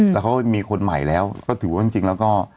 แล้วเขามีคนใหม่แล้วก็ถือว่าจริงแล้วก็